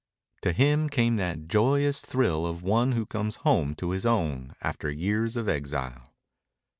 To him came that joyous thrill of one who comes home to his own after years of exile.